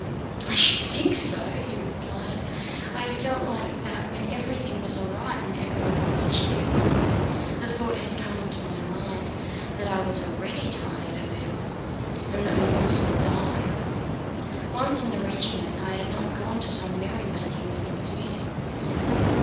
"I should think so!" he replied. "I have felt like that when everything was all right and everyone was cheerful. The thought has come into my mind that I was already tired of it all, and that we must all die. Once in the regiment I had not gone to some merrymaking where there was music...